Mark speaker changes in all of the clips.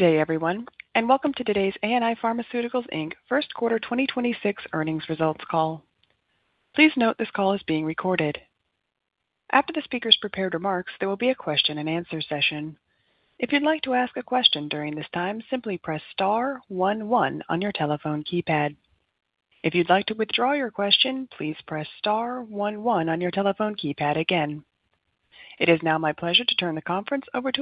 Speaker 1: Good day, everyone, and welcome to today's ANI Pharmaceuticals, Inc. first quarter 2026 earnings results call. Please note this call is being recorded. After the speaker's prepared remarks, there will be a question-and-answer session. If you'd like to ask a question during this time, simply press star one one on your telephone keypad. If you'd like to withdraw your question, please press star one one on your telephone keypad again. It is now my pleasure to turn the conference over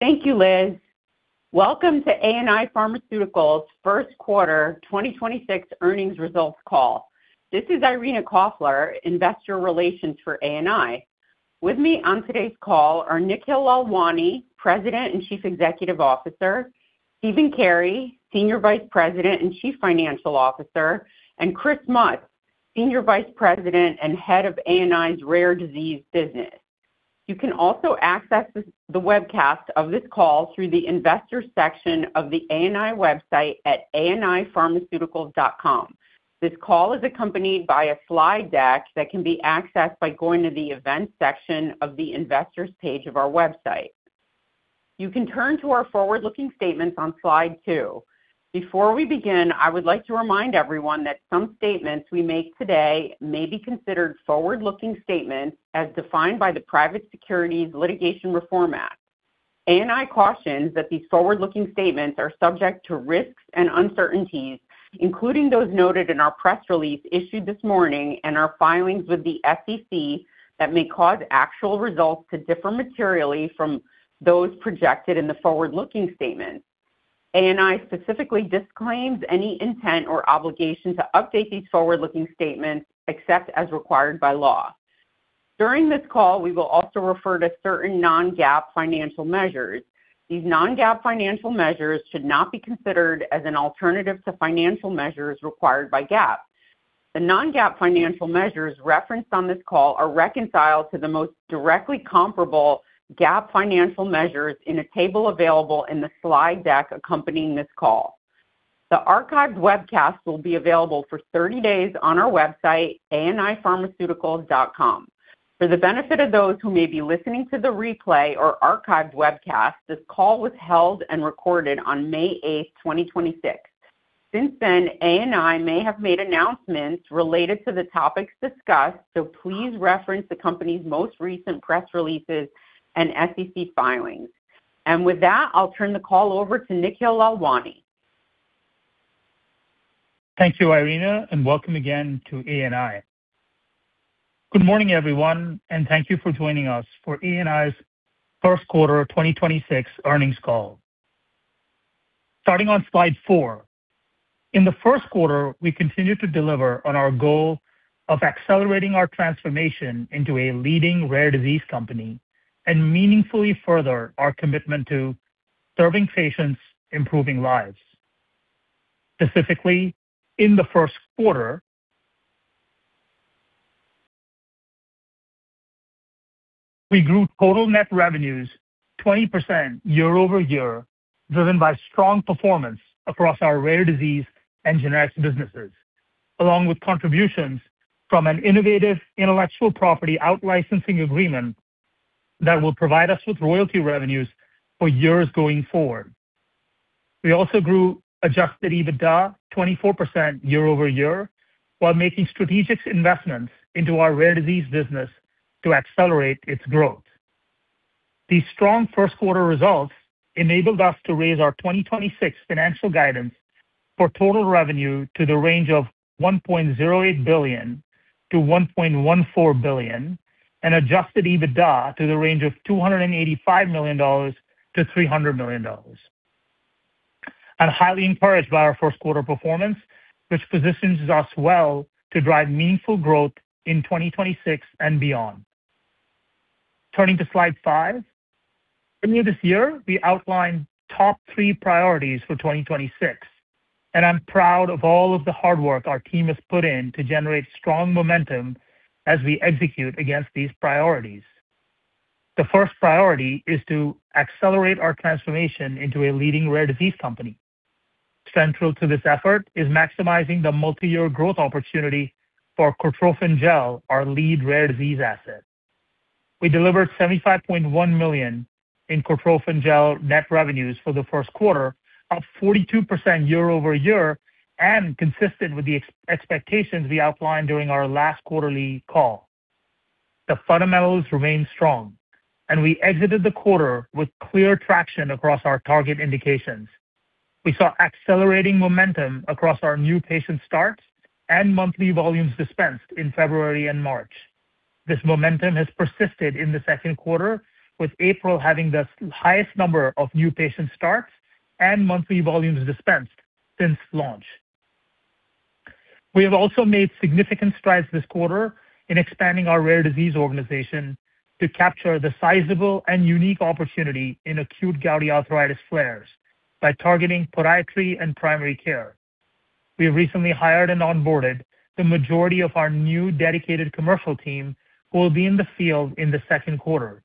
Speaker 1: to Irina Koffler.
Speaker 2: Thank you, Liz. Welcome to ANI Pharmaceuticals' first quarter 2026 earnings results call. This is Irina Koffler, Investor Relations for ANI. With me on today's call are Nikhil Lalwani, President and Chief Executive Officer, Stephen Carey, Senior Vice President and Chief Financial Officer, and Chris Mutz, Senior Vice President and Head of ANI's Rare Disease business. You can also access the webcast of this call through the Investor section of the ANI website at anipharmaceuticals.com. This call is accompanied by a slide deck that can be accessed by going to the events section of the Investors page of our website. You can turn to our forward-looking statements on slide two. Before we begin, I would like to remind everyone that some statements we make today may be considered forward-looking statements as defined by the Private Securities Litigation Reform Act. ANI cautions that these forward-looking statements are subject to risks and uncertainties, including those noted in our press release issued this morning and our filings with the SEC that may cause actual results to differ materially from those projected in the forward-looking statements. ANI specifically disclaims any intent or obligation to update these forward-looking statements except as required by law. During this call, we will also refer to certain non-GAAP financial measures. These non-GAAP financial measures should not be considered as an alternative to financial measures required by GAAP. The non-GAAP financial measures referenced on this call are reconciled to the most directly comparable GAAP financial measures in a table available in the slide deck accompanying this call. The archived webcast will be available for 30 days on our website, anipharmaceuticals.com. For the benefit of those who may be listening to the replay or archived webcast, this call was held and recorded on May 8th, 2026. Since then, ANI may have made announcements related to the topics discussed, please reference the company's most recent press releases and SEC filings. With that, I'll turn the call over to Nikhil Lalwani.
Speaker 3: Thank you, Irina, and welcome again to ANI. Good morning, everyone, and thank you for joining us for ANI's first quarter 2026 earnings call. Starting on slide four. In the first quarter, we continued to deliver on our goal of accelerating our transformation into a leading rare disease company and meaningfully further our commitment to serving patients, improving lives. Specifically, in the first quarter, we grew total net revenues 20% year-over-year, driven by strong performance across our Rare Disease and Generics businesses, along with contributions from an innovative intellectual property out-licensing agreement that will provide us with royalty revenues for years going forward. We also grew adjusted EBITDA 24% year-over-year while making strategic investments into our Rare Disease business to accelerate its growth. These strong first quarter results enabled us to raise our 2026 financial guidance for total revenue to the range of $1.08 billion-$1.14 billion and adjusted EBITDA to the range of $285 million-$300 million. I'm highly encouraged by our first quarter performance, which positions us well to drive meaningful growth in 2026 and beyond. Turning to slide five. Earlier this year, we outlined top three priorities for 2026, and I'm proud of all of the hard work our team has put in to generate strong momentum as we execute against these priorities. The first priority is to accelerate our transformation into a leading rare disease company. Central to this effort is maximizing the multi-year growth opportunity for Cortrophin Gel, our lead Rare Disease asset. We delivered $75.1 million in Cortrophin Gel net revenues for the first quarter, up 42% year-over-year and consistent with the expectations we outlined during our last quarterly call. The fundamentals remain strong, we exited the quarter with clear traction across our target indications. We saw accelerating momentum across our new patient starts and monthly volumes dispensed in February and March. This momentum has persisted in the second quarter, with April having the highest number of new patient starts and monthly volumes dispensed since launch. We have also made significant strides this quarter in expanding our rare disease organization to capture the sizable and unique opportunity in acute gouty arthritis flares by targeting podiatry and primary care. We have recently hired and onboarded the majority of our new dedicated commercial team who will be in the field in the second quarter.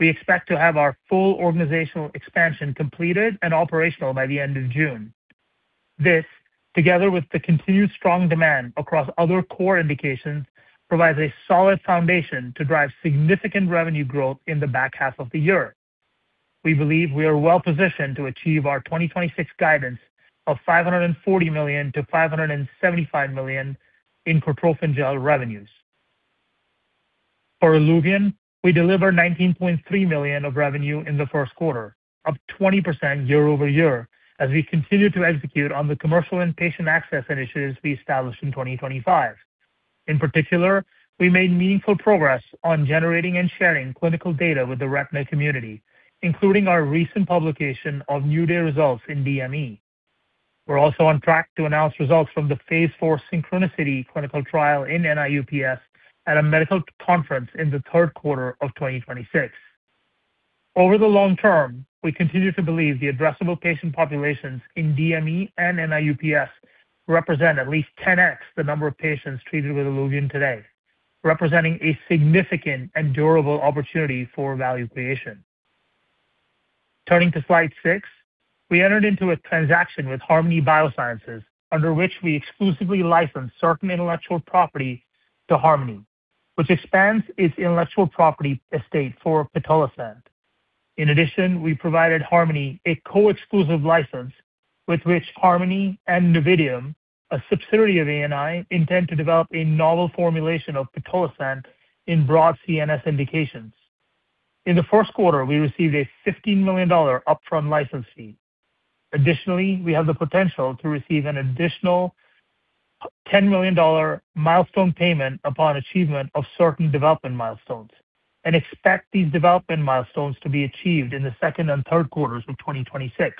Speaker 3: We expect to have our full organizational expansion completed and operational by the end of June. This, together with the continued strong demand across other core indications, provides a solid foundation to drive significant revenue growth in the back half of the year. We believe we are well-positioned to achieve our 2026 guidance of $540 million-$575 million in Cortrophin Gel revenues. For ILUVIEN, we delivered $19.3 million of revenue in the first quarter, up 20% year-over-year, as we continue to execute on the commercial and patient access initiatives we established in 2025. In particular, we made meaningful progress on generating and sharing clinical data with the retina community, including our recent publication of NEW DAY results in DME. We're also on track to announce results from the phase IV SYNCHRONICITY clinical trial in NIU-PS at a medical conference in the third quarter of 2026. Over the long term, we continue to believe the addressable patient populations in DME and NIU-PS represent at least 10x the number of patients treated with ILUVIEN today, representing a significant and durable opportunity for value creation. Turning to slide six, we entered into a transaction with Harmony Biosciences, under which we exclusively license certain intellectual property to Harmony, which expands its intellectual property estate for pitolisant. In addition, we provided Harmony a co-exclusive license with which Harmony and Novitium, a subsidiary of ANI, intend to develop a novel formulation of pitolisant in broad CNS indications. In the first quarter, we received a $15 million upfront license fee. Additionally, we have the potential to receive an additional $10 million milestone payment upon achievement of certain development milestones, and expect these development milestones to be achieved in the second and third quarters of 2026.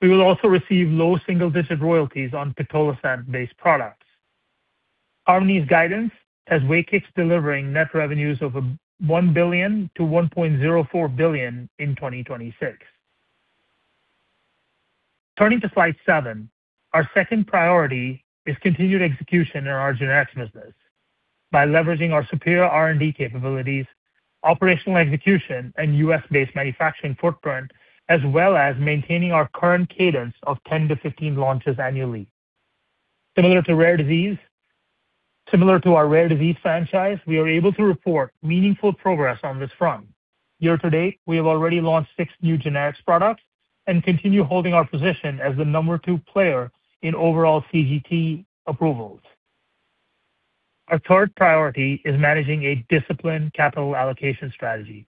Speaker 3: We will also receive low single-digit royalties on pitolisant-based products. Harmony's guidance has WAKIX delivering net revenues of $1 billion-$1.04 billion in 2026. Turning to slide seven, our second priority is continued execution in our Generics business by leveraging our superior R&D capabilities, operational execution, and U.S.-based manufacturing footprint, as well as maintaining our current cadence of 10-15 launches annually. Similar to our Rare Disease franchise, we are able to report meaningful progress on this front. Year to date, we have already launched six new generics products and continue holding our position as the number two player in overall CGT approvals. Our third priority is managing a disciplined capital allocation strategy.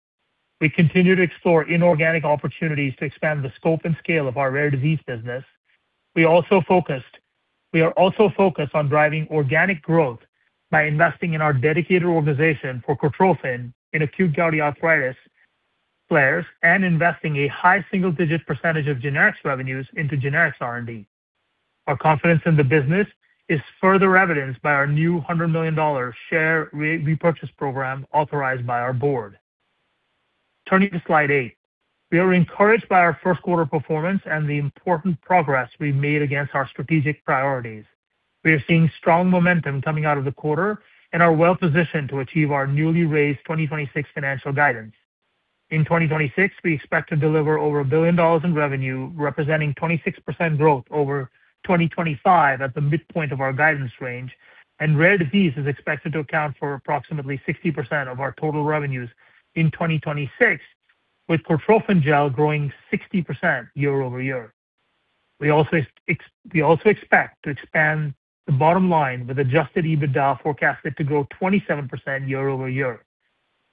Speaker 3: We continue to explore inorganic opportunities to expand the scope and scale of our Rare Disease business. We are also focused on driving organic growth by investing in our dedicated organization for Cortrophin in acute gouty arthritis flares and investing a high single-digit percentage of Generics revenues into Generics R&D. Our confidence in the business is further evidenced by our new $100 million share repurchase program authorized by our board. Turning to slide eight. We are encouraged by our first quarter performance and the important progress we've made against our strategic priorities. We are seeing strong momentum coming out of the quarter and are well-positioned to achieve our newly raised 2026 financial guidance. In 2026, we expect to deliver over $1 billion in revenue, representing 26% growth over 2025 at the midpoint of our guidance range. Rare Disease is expected to account for approximately 60% of our total revenues in 2026, with Cortrophin Gel growing 60% year-over-year. We also expect to expand the bottom line with adjusted EBITDA forecasted to grow 27% year-over-year.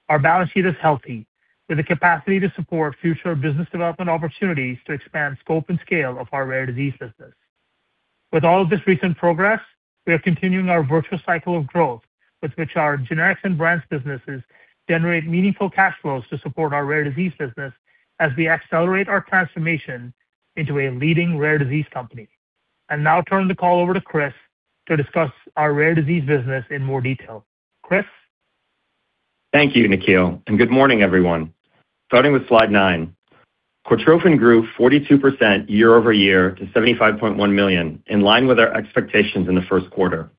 Speaker 3: Our balance sheet is healthy, with the capacity to support future business development opportunities to expand scope and scale of our Rare Disease business. With all of this recent progress, we are continuing our virtuous cycle of growth, with which our Generics and Brands businesses generate meaningful cash flows to support our Rare Disease business as we accelerate our transformation into a leading rare disease company. I'll now turn the call over to Chris to discuss our Rare Disease business in more detail. Chris?
Speaker 4: Thank you, Nikhil, and good morning, everyone. Starting with slide nine, Cortrophin grew 42% year-over-year to $75.1 million, in line with our expectations in the first quarter.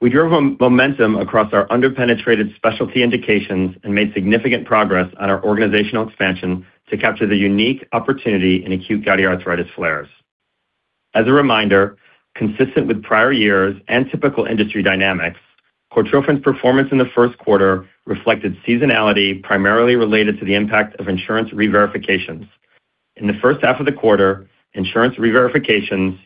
Speaker 4: We drove momentum across our under-penetrated specialty indications and made significant progress on our organizational expansion to capture the unique opportunity in acute gouty arthritis flares. As a reminder, consistent with prior years and typical industry dynamics, Cortrophin's performance in the first quarter reflected seasonality primarily related to the impact of insurance reverifications. In the first half of the quarter, insurance reverifications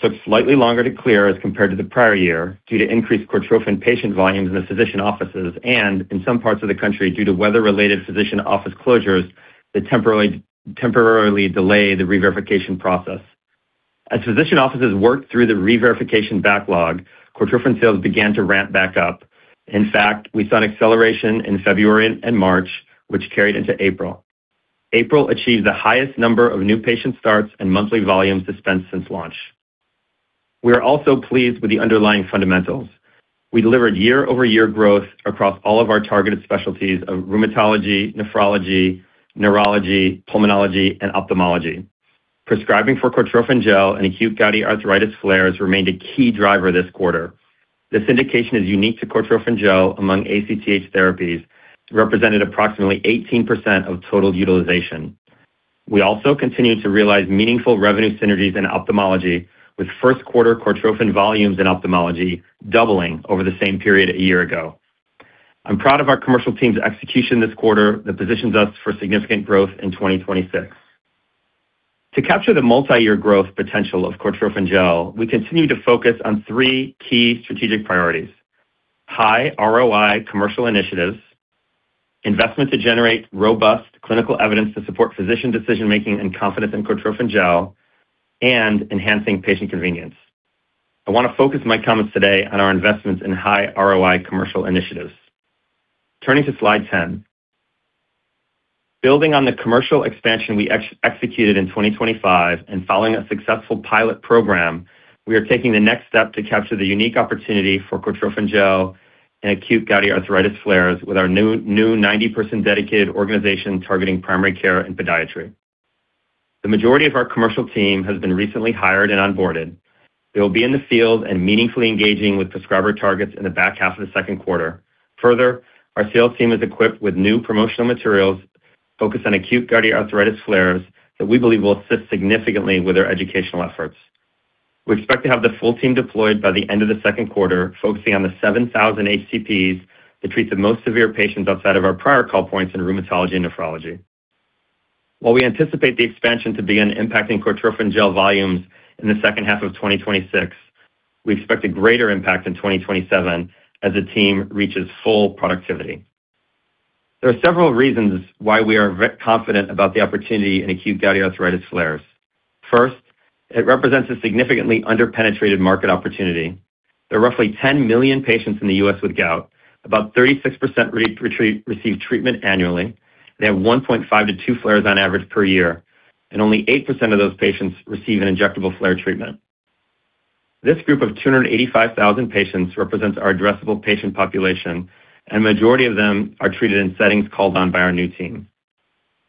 Speaker 4: took slightly longer to clear as compared to the prior year due to increased Cortrophin patient volumes in the physician offices and, in some parts of the country, due to weather-related physician office closures that temporarily delay the reverification process. As physician offices worked through the reverification backlog, Cortrophin sales began to ramp back up. In fact, we saw an acceleration in February and March, which carried into April. April achieved the highest number of new patient starts and monthly volumes dispensed since launch. We are also pleased with the underlying fundamentals. We delivered year-over-year growth across all of our targeted specialties of rheumatology, nephrology, neurology, pulmonology, and ophthalmology. Prescribing for Cortrophin Gel and acute gouty arthritis flares remained a key driver this quarter. This indication is unique to Cortrophin Gel among ACTH therapies represented approximately 18% of total utilization. We also continued to realize meaningful revenue synergies in ophthalmology with first quarter Cortrophin volumes in ophthalmology doubling over the same period a year ago. I'm proud of our commercial team's execution this quarter that positions us for significant growth in 2026. To capture the multi-year growth potential of Cortrophin Gel, we continue to focus on three key strategic priorities. High ROI commercial initiatives, investment to generate robust clinical evidence to support physician decision-making and confidence in Cortrophin Gel, and enhancing patient convenience. I want to focus my comments today on our investments in high ROI commercial initiatives. Turning to slide 10. Building on the commercial expansion we executed in 2025 and following a successful pilot program, we are taking the next step to capture the unique opportunity for Cortrophin Gel and acute gouty arthritis flares with our new 90% dedicated organization targeting primary care and podiatry. The majority of our commercial team has been recently hired and onboarded. They'll be in the field and meaningfully engaging with prescriber targets in the back half of the second quarter. Our sales team is equipped with new promotional materials focused on acute gouty arthritis flares that we believe will assist significantly with their educational efforts. We expect to have the full team deployed by the end of the second quarter, focusing on the 7,000 HCPs that treat the most severe patients outside of our prior call points in rheumatology and nephrology. While we anticipate the expansion to begin impacting Cortrophin Gel volumes in the second half of 2026, we expect a greater impact in 2027 as the team reaches full productivity. There are several reasons why we are confident about the opportunity in acute gouty arthritis flares. First, it represents a significantly under-penetrated market opportunity. There are roughly 10 million patients in the U.S. with gout. About 36% receive treatment annually. They have 1.5-2 flares on average per year. Only 8% of those patients receive an injectable flare treatment. This group of 285,000 patients represents our addressable patient population. Majority of them are treated in settings called on by our new team.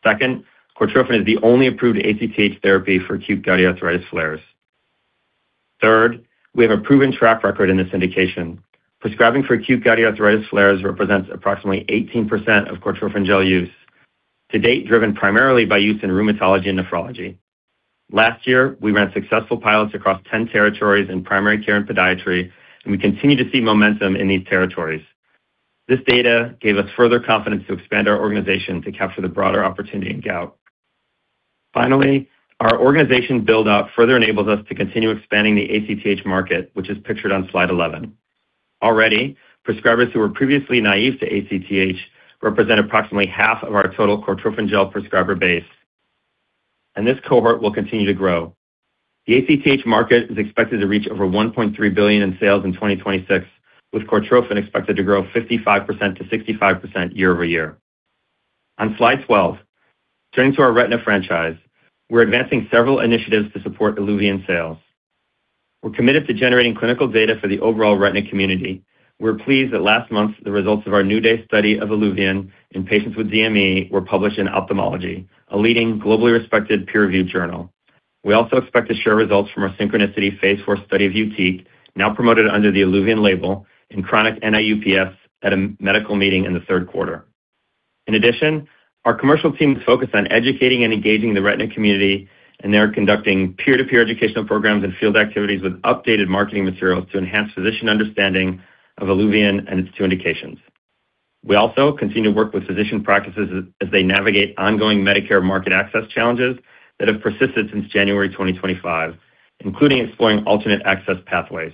Speaker 4: Second, Cortrophin is the only approved ACTH therapy for acute gouty arthritis flares. Third, we have a proven track record in this indication. Prescribing for acute gouty arthritis flares represents approximately 18% of Cortrophin Gel use to date, driven primarily by use in rheumatology and nephrology. Last year, we ran successful pilots across 10 territories in primary care and podiatry. We continue to see momentum in these territories. This data gave us further confidence to expand our organization to capture the broader opportunity in gout. Finally, our organization build-out further enables us to continue expanding the ACTH market, which is pictured on slide 11. Already, prescribers who were previously naive to ACTH represent approximately half of our total Cortrophin Gel prescriber base, and this cohort will continue to grow. The ACTH market is expected to reach over $1.3 billion in sales in 2026, with Cortrophin expected to grow 55%-65% year-over-year. On slide 12, turning to our retina franchise, we're advancing several initiatives to support ILUVIEN sales. We're committed to generating clinical data for the overall retina community. We're pleased that last month, the results of our NEW DAY study of ILUVIEN in patients with DME were published in Ophthalmology, a leading globally respected peer-reviewed journal. We also expect to share results from our SYNCHRONICITY phase IV study of YUTIQ, now promoted under the ILUVIEN label in chronic NIU-PS at a medical meeting in the third quarter. In addition, our commercial teams focus on educating and engaging the retina community. They are conducting peer-to-peer educational programs and field activities with updated marketing materials to enhance physician understanding of ILUVIEN and its two indications. We also continue to work with physician practices as they navigate ongoing Medicare market access challenges that have persisted since January 2025, including exploring alternate access pathways.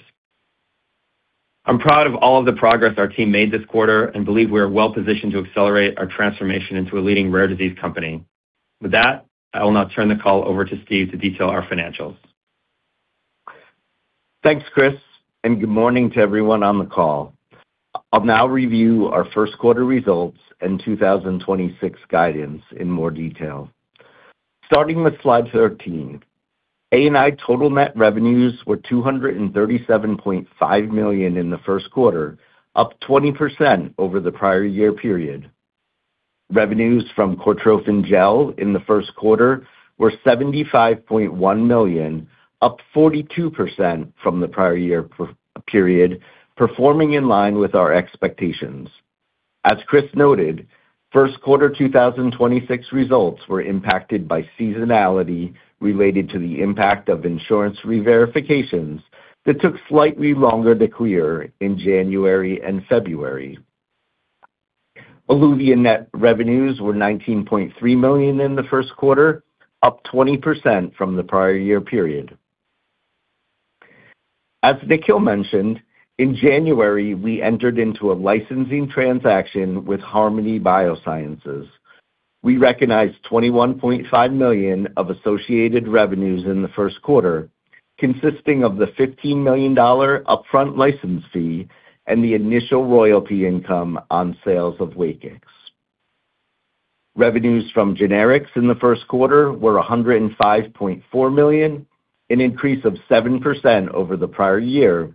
Speaker 4: I'm proud of all of the progress our team made this quarter and believe we are well-positioned to accelerate our transformation into a leading rare disease company. With that, I will now turn the call over to Steve to detail our financials.
Speaker 5: Thanks, Chris, and good morning to everyone on the call. I'll now review our first quarter results and 2026 guidance in more detail. Starting with slide 13, ANI total net revenues were $237.5 million in the first quarter, up 20% over the prior year period. Revenues from Cortrophin Gel in the first quarter were $75.1 million, up 42% from the prior year period, performing in line with our expectations. As Chris noted, first quarter 2026 results were impacted by seasonality related to the impact of insurance reverifications that took slightly longer to clear in January and February. ILUVIEN net revenues were $19.3 million in the first quarter, up 20% from the prior year period. As Nikhil mentioned, in January, we entered into a licensing transaction with Harmony Biosciences. We recognized $21.5 million of associated revenues in the first quarter, consisting of the $15 million upfront license fee and the initial royalty income on sales of WAKIX. Revenues from Generics in the first quarter were $105.4 million, an increase of 7% over the prior year.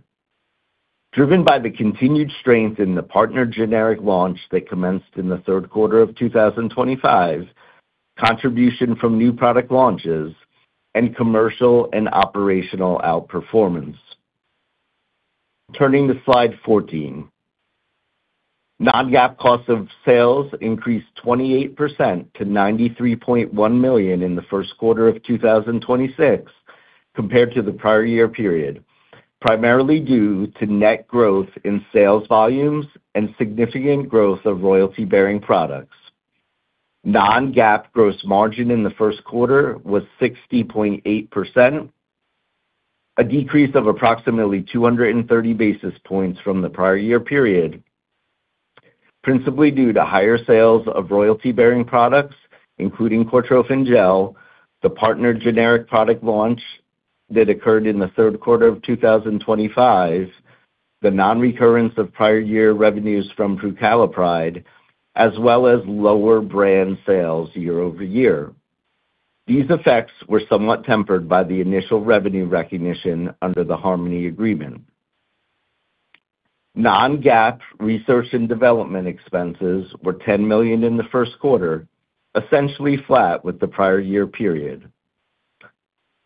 Speaker 5: Driven by the continued strength in the partner generic launch that commenced in the third quarter of 2025. Contribution from new product launches and commercial and operational outperformance. Turning to slide 14. Non-GAAP cost of sales increased 28% to $93.1 million in the first quarter of 2026 compared to the prior year period, primarily due to net growth in sales volumes and significant growth of royalty-bearing products. Non-GAAP gross margin in the first quarter was 60.8%, a decrease of approximately 230 basis points from the prior year period, principally due to higher sales of royalty-bearing products, including Cortrophin Gel, the partnered generic product launch that occurred in the third quarter of 2025, the non-recurrence of prior year revenues from prucalopride, as well as lower brand sales year-over-year. These effects were somewhat tempered by the initial revenue recognition under the Harmony agreement. Non-GAAP research and development expenses were $10 million in the first quarter, essentially flat with the prior year period.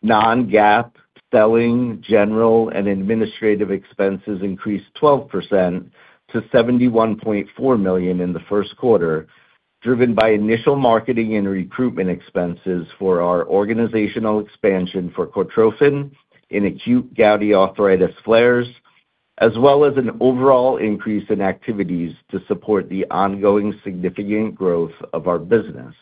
Speaker 5: Non-GAAP selling, general, and administrative expenses increased 12% to $71.4 million in the first quarter, driven by initial marketing and recruitment expenses for our organizational expansion for Cortrophin in acute gouty arthritis flares, as well as an overall increase in activities to support the ongoing significant growth of our business.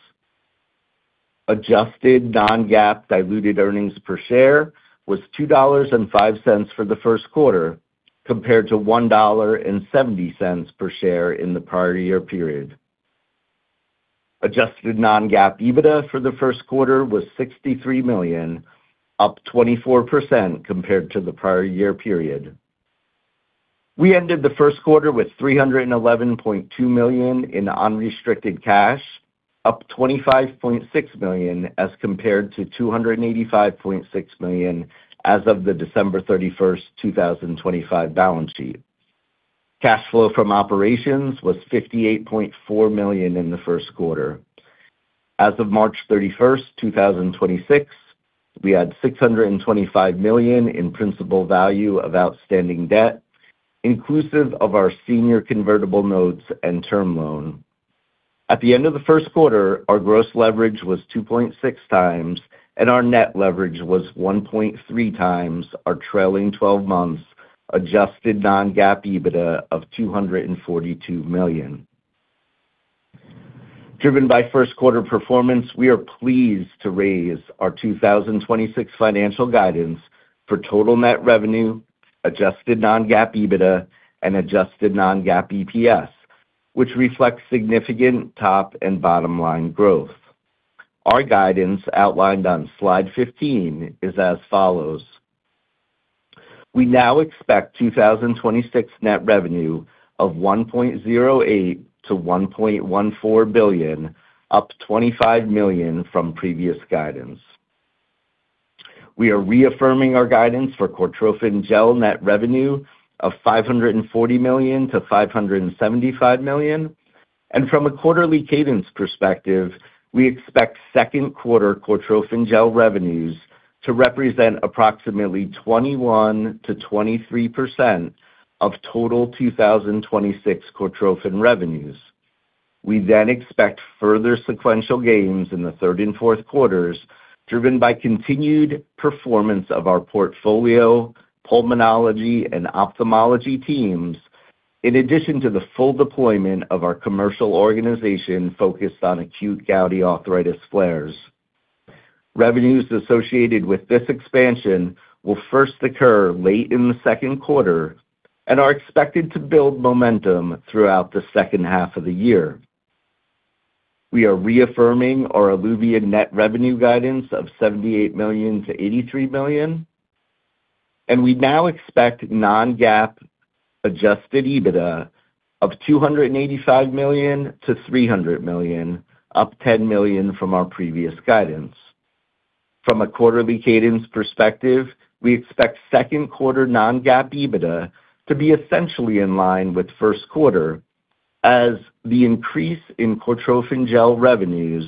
Speaker 5: Adjusted non-GAAP diluted earnings per share was $2.05 for the first quarter, compared to $1.70 per share in the prior year period. Adjusted non-GAAP EBITDA for the first quarter was $63 million, up 24% compared to the prior year period. We ended the first quarter with $311.2 million in unrestricted cash, up $25.6 million as compared to $285.6 million as of the December 31st, 2025 balance sheet. Cash flow from operations was $58.4 million in the first quarter. As of March 31st, 2026, we had $625 million in principal value of outstanding debt, inclusive of our senior convertible notes and term loan. At the end of the first quarter, our gross leverage was 2.6x, and our net leverage was 1.3x our trailing 12 months adjusted non-GAAP EBITDA of $242 million. Driven by first quarter performance, we are pleased to raise our 2026 financial guidance for total net revenue, adjusted non-GAAP EBITDA, and adjusted non-GAAP EPS, which reflects significant top and bottom line growth. Our guidance outlined on slide 15 is as follows. We now expect 2026 net revenue of $1.08 billion-$1.14 billion, up $25 million from previous guidance. We are reaffirming our guidance for Cortrophin Gel net revenue of $540 million-$575 million. From a quarterly cadence perspective, we expect second quarter Cortrophin Gel revenues to represent approximately 21%-23% of total 2026 Cortrophin revenues. We then expect further sequential gains in the third and fourth quarters, driven by continued performance of our portfolio, pulmonology, and ophthalmology teams, in addition to the full deployment of our commercial organization focused on acute gouty arthritis flares. Revenues associated with this expansion will first occur late in the second quarter and are expected to build momentum throughout the second half of the year. We are reaffirming our ILUVIEN net revenue guidance of $78 million-$83 million. We now expect non-GAAP adjusted EBITDA of $285 million-$300 million, up $10 million from our previous guidance. From a quarterly cadence perspective, we expect second quarter non-GAAP EBITDA to be essentially in line with first quarter as the increase in Cortrophin Gel revenues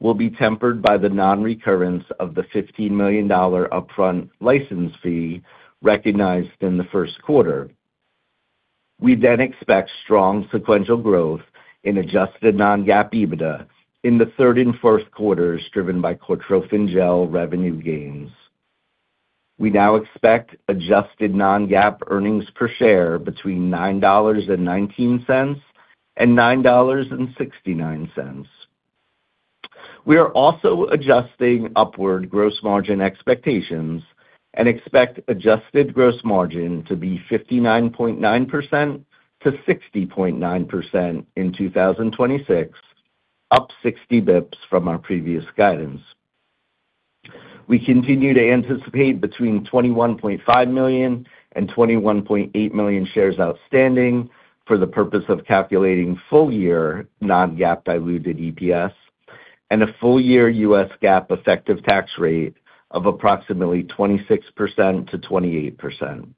Speaker 5: will be tempered by the non-recurrence of the $15 million upfront license fee recognized in the first quarter. We expect strong sequential growth in adjusted non-GAAP EBITDA in the third and first quarters, driven by Cortrophin Gel revenue gains. We now expect adjusted non-GAAP earnings per share between $9.19 and $9.69. We are also adjusting upward gross margin expectations and expect adjusted gross margin to be 59.9%-60.9% in 2026, up 60 basis points from our previous guidance. We continue to anticipate between 21.5 million and 21.8 million shares outstanding for the purpose of calculating full-year non-GAAP diluted EPS and a full-year U.S. GAAP effective tax rate of approximately 26%-28%.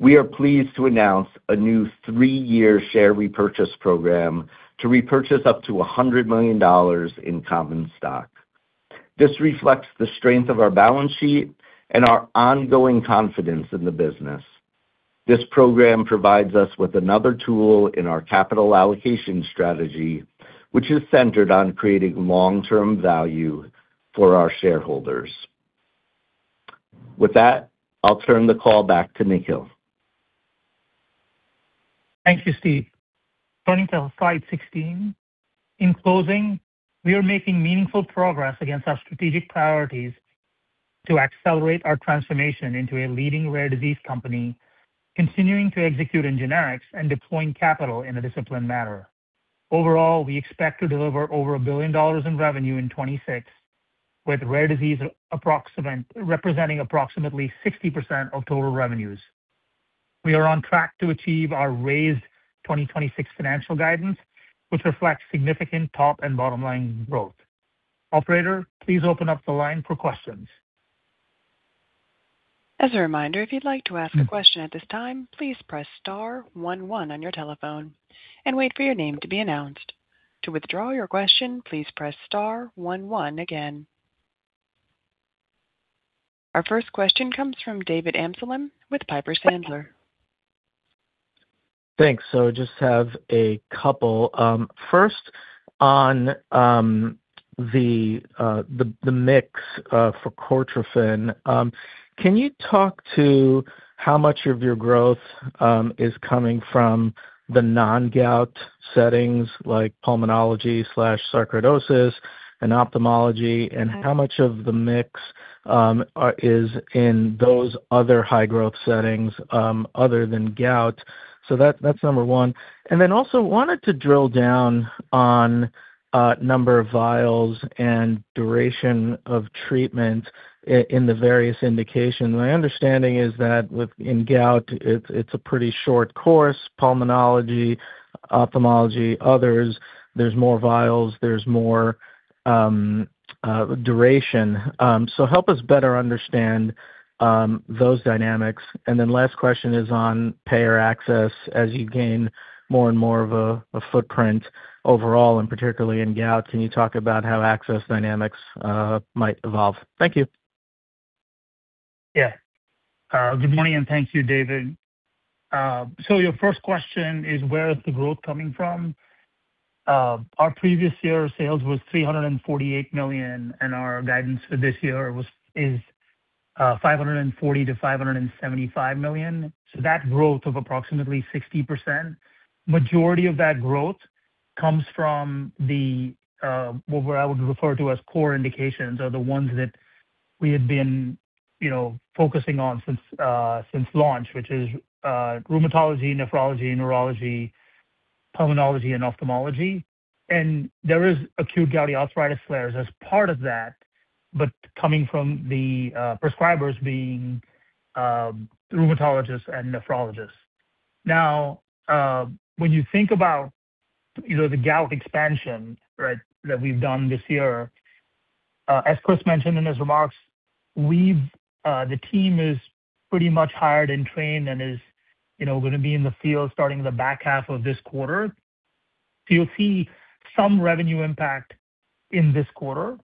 Speaker 5: We are pleased to announce a new three-year share repurchase program to repurchase up to $100 million in common stock. This reflects the strength of our balance sheet and our ongoing confidence in the business. This program provides us with another tool in our capital allocation strategy, which is centered on creating long-term value for our shareholders. With that, I'll turn the call back to Nikhil.
Speaker 3: Thank you, Steve. Turning to slide 16. In closing, we are making meaningful progress against our strategic priorities to accelerate our transformation into a leading rare disease company, continuing to execute in Generics and deploying capital in a disciplined manner. Overall, we expect to deliver over $1 billion in revenue in 2026, with Rare Disease representing approximately 60% of total revenues. We are on track to achieve our raised 2026 financial guidance, which reflects significant top and bottom-line growth. Operator, please open up the line for questions.
Speaker 1: As a reminder, if you'd like to ask a question at this time, please press star one one on your telephone and wait for your name to be announced. To withdraw your question, please press star one one again. Our first question comes from David Amsellem with Piper Sandler.
Speaker 6: Thanks. Just have a couple. First on the mix for Cortrophin. Can you talk to how much of your growth is coming from the non-gout settings like pulmonology/sarcoidosis and ophthalmology, and how much of the mix is in those other high-growth settings other than gout? That's number one. Also wanted to drill down on number of vials and duration of treatment in the various indications. My understanding is that in gout, it's a pretty short course. Pulmonology, ophthalmology, others, there's more vials, there's more duration. Help us better understand those dynamics. Last question is on payer access. As you gain more and more of a footprint overall, and particularly in gout, can you talk about how access dynamics might evolve? Thank you.
Speaker 3: Good morning, and thank you, David. Your first question is, where is the growth coming from? Our previous year sales was $348 million, our guidance for this year is $540 million-$575 million. That growth of approximately 60%. Majority of that growth comes from the what we're able to refer to as core indications are the ones that we have been, you know, focusing on since since launch, which is rheumatology, nephrology, neurology, pulmonology, and ophthalmology. There is acute gouty arthritis flares as part of that, but coming from the prescribers being rheumatologists and nephrologists. When you think about, you know, the gout expansion, right, that we've done this year, as Chris mentioned in his remarks, we've, the team is pretty much hired and trained and is, you know, gonna be in the field starting the back half of this quarter. You'll see some revenue impact in this quarter,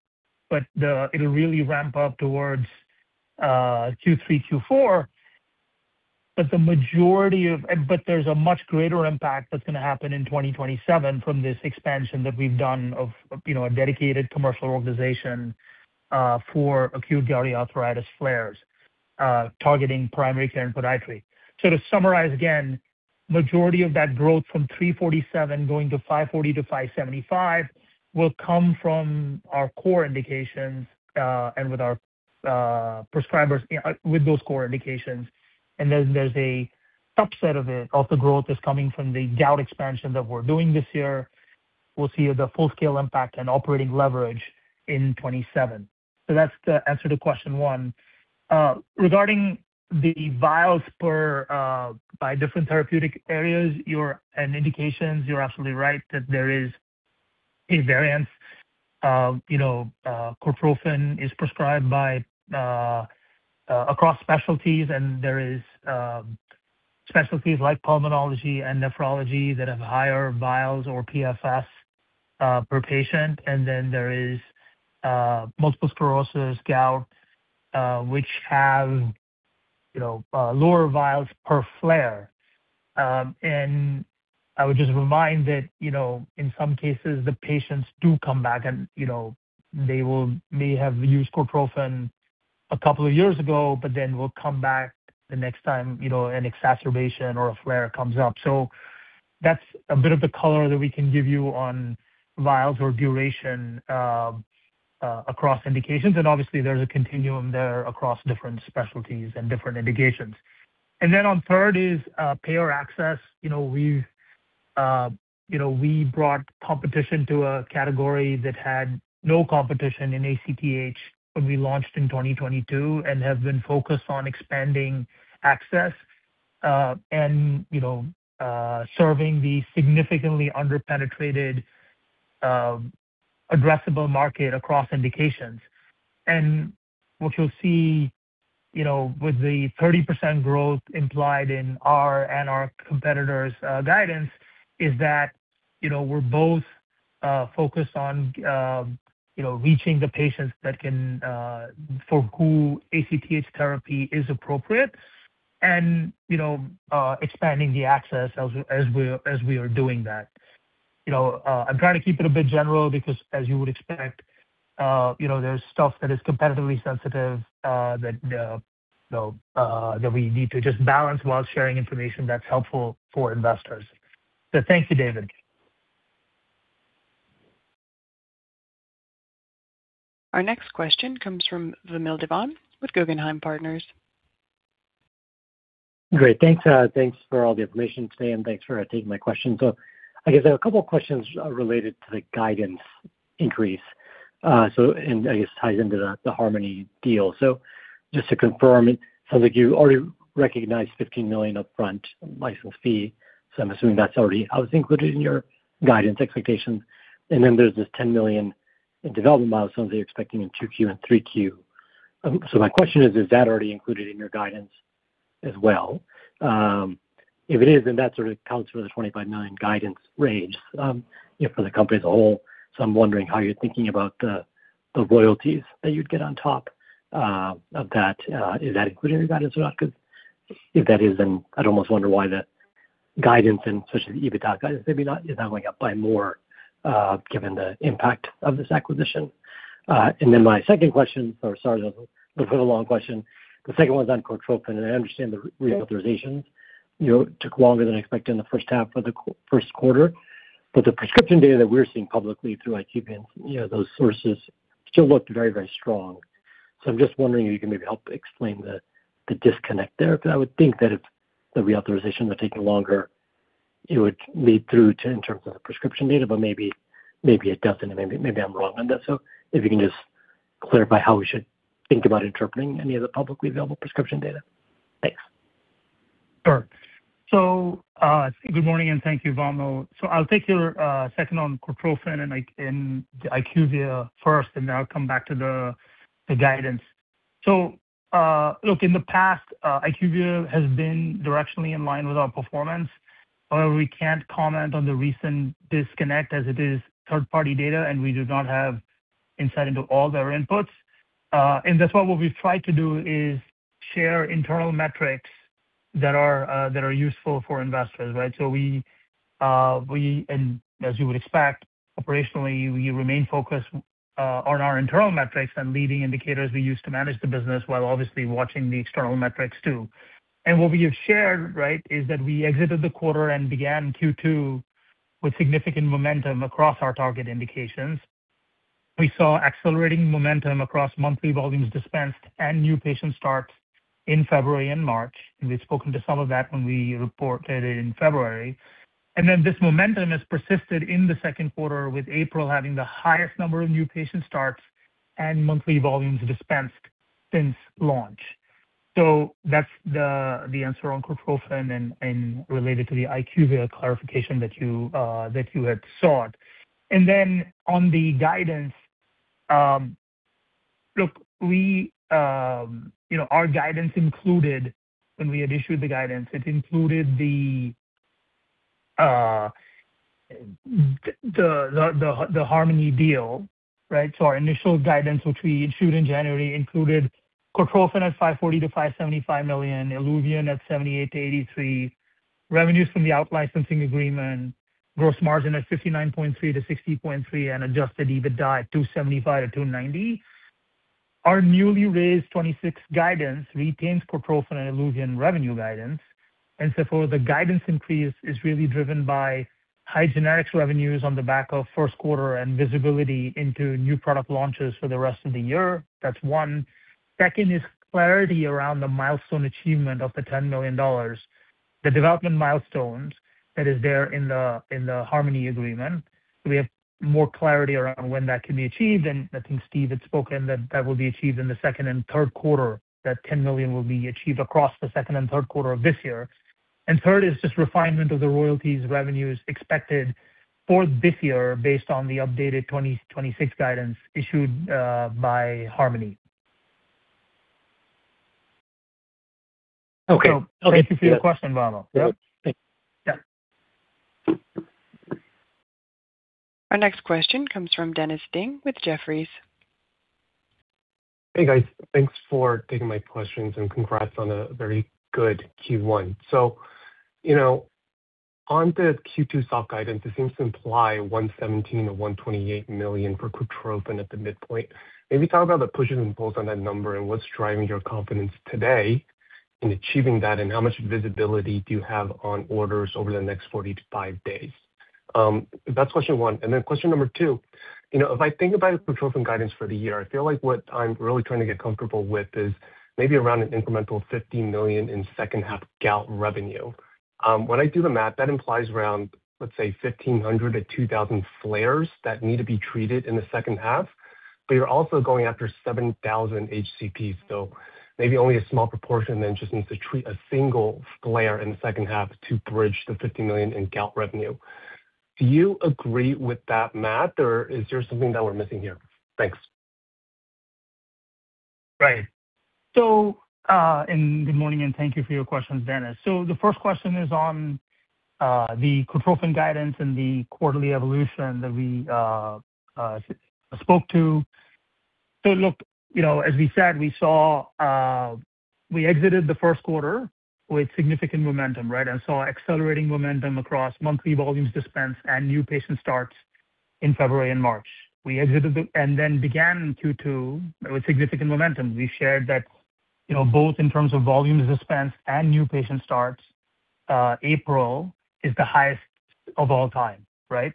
Speaker 3: but it'll really ramp up towards Q3, Q4. There's a much greater impact that's gonna happen in 2027 from this expansion that we've done of, you know, a dedicated commercial organization for acute gouty arthritis flares, targeting primary care and podiatry. To summarize again, majority of that growth from $347 million going to $540 million-$575 million will come from our core indications, and with our prescribers, with those core indications. There's a subset of it, of the growth that's coming from the gout expansion that we're doing this year. We'll see the full-scale impact and operating leverage in 2027. That's the answer to question one. Regarding the vials per by different therapeutic areas and indications, you're absolutely right that there is a variance. You know, Cortrophin is prescribed by across specialties, and there is specialties like pulmonology and nephrology that have higher vials or PFS per patient. There is multiple sclerosis, gout, which have, you know, lower vials per flare. I would just remind that, you know, in some cases, the patients do come back and, you know, they may have used Cortrophin a couple of years ago, but then will come back the next time, you know, an exacerbation or a flare comes up. That's a bit of the color that we can give you on vials or duration across indications. Obviously, there's a continuum there across different specialties and different indications. Then on third is payer access. You know, we've, you know, we brought competition to a category that had no competition in ACTH when we launched in 2022 and have been focused on expanding access, and you know, serving the significantly under-penetrated addressable market across indications. What you'll see, with the 30% growth implied in our and our competitors' guidance is that we're both focused on reaching the patients that can, for who ACTH therapy is appropriate and expanding the access as we are doing that. I'm trying to keep it a bit general because as you would expect, there's stuff that is competitively sensitive that we need to just balance while sharing information that's helpful for investors. Thank you, David.
Speaker 1: Our next question comes from Vamil Divan with Guggenheim Partners.
Speaker 7: Great. Thanks, thanks for all the information today, and thanks for taking my question. I guess I have a couple questions related to the guidance increase. I guess ties into the Harmony deal. Just to confirm, it sounds like you already recognized $15 million upfront license fee. I'm assuming that's already included in your guidance expectations. There's this $10 million in development milestones you're expecting in 2Q and 3Q. My question is that already included in your guidance as well? If it is, that sort of accounts for the $25 million guidance range, you know, for the company as a whole. I'm wondering how you're thinking about the royalties that you'd get on top of that. Is that included in your guidance or not? If that is, then I'd almost wonder why the guidance and especially the EBITDA guidance maybe not is not going up by more, given the impact of this acquisition. My second question. Oh, sorry, that was a long question. The second one's on Cortrophin, I understand the reauthorizations, you know, took longer than expected in the first half of the first quarter. The prescription data that we're seeing publicly through IQVIA and, you know, those sources still looked very, very strong. I'm just wondering if you can maybe help explain the disconnect there. I would think that if the reauthorization was taking longer, it would lead through to in terms of the prescription data, but maybe it doesn't and maybe I'm wrong on that. If you can just clarify how we should think about interpreting any of the publicly available prescription data? Thanks.
Speaker 3: Sure. Good morning, and thank you, Vamil. I'll take your second on Cortrophin and IQVIA first, then I'll come back to the guidance. Look, in the past, IQVIA has been directionally in line with our performance. However, we can't comment on the recent disconnect as it is third-party data, and we do not have insight into all their inputs. That's why what we've tried to do is share internal metrics that are useful for investors. As you would expect, operationally, we remain focused on our internal metrics and leading indicators we use to manage the business while obviously watching the external metrics too. What we have shared is that we exited the quarter and began Q2 with significant momentum across our target indications. We saw accelerating momentum across monthly volumes dispensed and new patient starts in February and March. We've spoken to some of that when we reported it in February. This momentum has persisted in the second quarter, with April having the highest number of new patient starts and monthly volumes dispensed since launch. That's the answer on Cortrophin and related to the IQVIA clarification that you had sought. On the guidance, look, we, you know, our guidance included when we had issued the guidance, it included the Harmony deal, right? Our initial guidance, which we issued in January, included Cortrophin at $540 million-$575 million, ILUVIEN at $78 million-$83 million, revenues from the out-licensing agreement, gross margin at 59.3%-60.3%, and adjusted EBITDA at $275 million-$290 million. Our newly raised 2026 guidance retains Cortrophin and ILUVIEN revenue guidance. For the guidance increase is really driven by high Generics revenues on the back of first quarter and visibility into new product launches for the rest of the year. That's one. Second is clarity around the milestone achievement of the $10 million. The development milestones that is there in the Harmony agreement. We have more clarity around when that can be achieved. I think Steve had spoken that that will be achieved in the second and third quarter, that $10 million will be achieved across the second and third quarter of this year. Third is just refinement of the royalties revenues expected for this year based on the updated 2026 guidance issued by Harmony Biosciences.
Speaker 7: Okay.
Speaker 3: Thank you for your question, Vamil.
Speaker 7: Yep. Thank you.
Speaker 3: Yeah.
Speaker 1: Our next question comes from Dennis Ding with Jefferies.
Speaker 8: Hey, guys. Thanks for taking my questions, and congrats on a very good Q1. you know, on the Q2 soft guidance, it seems to imply $117 million-$128 million for Cortrophin at the midpoint. Maybe talk about the pushes and pulls on that number and what's driving your confidence today in achieving that, and how much visibility do you have on orders over the next 45 days? That's question one. question number two, you know, if I think about Cortrophin guidance for the year, I feel like what I'm really trying to get comfortable with is maybe around an incremental $50 million in second half gout revenue. When I do the math, that implies around, let's say, 1,500-2,000 flares that need to be treated in the second half. You're also going after 7,000 HCPs, so maybe only a small proportion then just needs to treat a single flare in the second half to bridge the $50 million in gout revenue. Do you agree with that math? Is there something that we're missing here? Thanks.
Speaker 3: Right. Good morning, and thank you for your questions, Dennis. The first question is on the Cortrophin guidance and the quarterly evolution that we spoke to. You know, as we said, we exited the first quarter with significant momentum, right? Saw accelerating momentum across monthly volumes dispensed and new patient starts in February and March. Began Q2 with significant momentum. We shared that, you know, both in terms of volumes dispensed and new patient starts, April is the highest of all time, right?